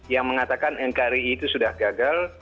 yang mengatakan nkri itu sudah gagal